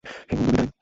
হে বন্ধু, বিদায়।